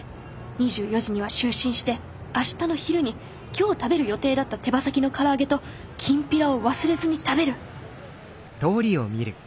２４時には就寝して明日の昼に今日食べる予定だった手羽先の唐揚げときんぴらを忘れずに食べる！